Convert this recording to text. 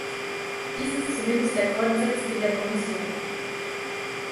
Dies ist zumindest der Konsens in der Kommission.